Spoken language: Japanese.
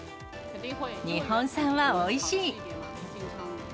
日本産はおいしい。